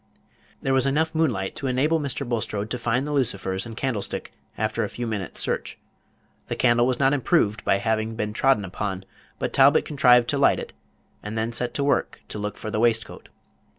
There was enough moonlight to enable Mr. Bulstrode to find the lucifers and candlestick after a few minutes search. The candle was not improved by having been trodden upon; but Talbot contrived to light it, and then set to work to look for the waistcoat.